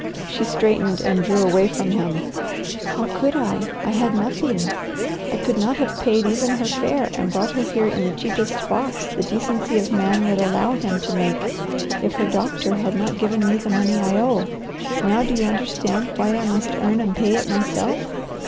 She straightened and drew away from him. "How could I? I had nothing. I could not have paid even her fare and brought her here in the cheapest box the decency of man would allow him to make if her doctor had not given me the money I owe. Now do you understand why I must earn and pay it myself?